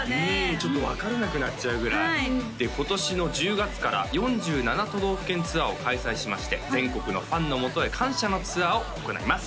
ちょっと分からなくなっちゃうぐらいで今年の１０月から４７都道府県ツアーを開催しまして全国のファンのもとへ感謝のツアーを行います